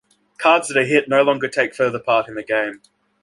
Cards that are "hit" no longer take further part in the game.